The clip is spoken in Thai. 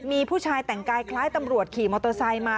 มีผู้ชายแต่งกายคล้ายตำรวจขี่มอเตอร์ไซค์มา